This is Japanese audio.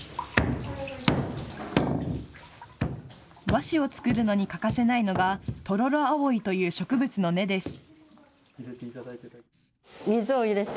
和紙を作るのに欠かせないのがトロロアオイという植物の根です。